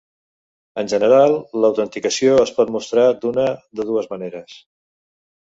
En general, l'autenticació es pot mostrar d'una de dues maneres.